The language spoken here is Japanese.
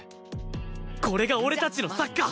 これが俺たちのサッカー！